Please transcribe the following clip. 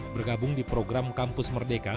bergabung di program kampus merdeka